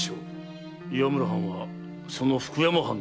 岩村藩はその福山藩の隣国。